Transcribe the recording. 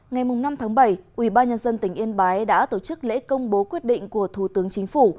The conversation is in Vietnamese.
ngày năm tháng bảy ubnd tỉnh yên bái đã tổ chức lễ công bố quyết định của thủ tướng chính phủ